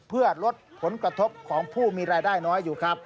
เพื่อลดผลกระทบของผู้มีรายได้น้อยอยู่ครับ